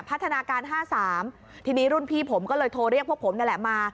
พัฒนาการ๕๓ทีนี้รุ่นพี่ผมก็เลยโทรเรียกพวกผมนั่นแหละมา